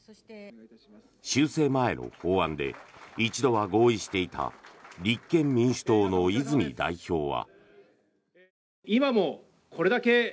修正前の法案で一度は合意していた立憲民主党の泉代表は。